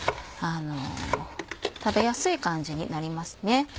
食べやすい感じになりますね。